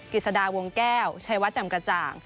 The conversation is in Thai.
กิจสดาวงแก้วชัยวัดจำกระจ่าง